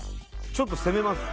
ちょっと攻めます